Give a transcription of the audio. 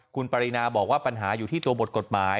คุณปรินาบอกว่าปัญหาอยู่ที่ตัวบทกฎหมาย